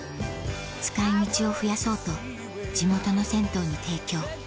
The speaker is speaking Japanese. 使い道を増やそうと地元の銭湯に提供